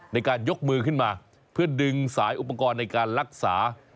ในการยกมือขึ้นมาเพื่อดึงสายอุปกรณ์ในการรักษา